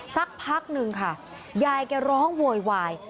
สักพักนึงค่ะยายแกร้องโวยวาย